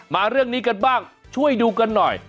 มาเรื่องนี้กันบ้างช่วยดูกันหน่อย